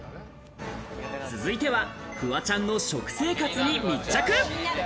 続いては、フワちゃんの食生活に密着。